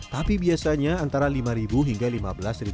tapi biasanya untuk menjual tempe mendoan yang siap untuk digoreng